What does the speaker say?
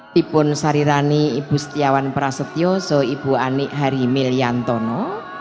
dibun sarirani ibu setiawan prasetyoso ibu anik haryimilyantono